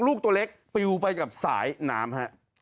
ลูกตัวเล็กปิวไปกับสายน้ำฮะ